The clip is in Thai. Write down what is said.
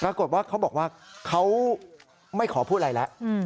ปรากฏว่าเขาบอกว่าเขาไม่ขอพูดอะไรแล้ว